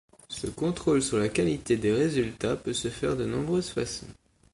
Ce contrôle sur la qualité des résultats peut se faire de nombreuses façons.